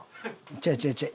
違う違う違う。